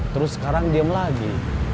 terus sekarang diem lagi